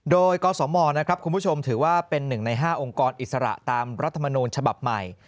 โดยกศมนะครับคุณผู้ชมถือว่าเป็น๑ใน๕องค์กรอิสระตามรัฐมนูลฉบับใหม่